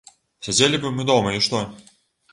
Сядзелі б мы дома і што?